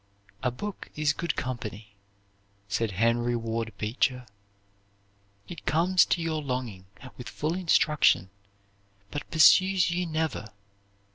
"A book is good company," said Henry Ward Beecher. "It comes to your longing with full instruction, but pursues you never.